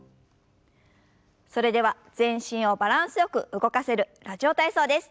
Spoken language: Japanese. それでは全身をバランスよく動かせる「ラジオ体操」です。